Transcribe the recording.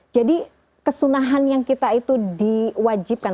jadi kesunahan yang kita itu diwajibkan